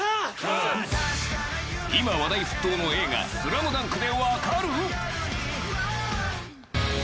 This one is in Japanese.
今話題沸騰の映画「ＳＬＡＭＤＵＮＫ」で分かる？